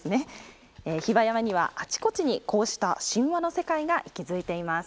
比婆山にはあちこちにこうした神話の世界が息づいています。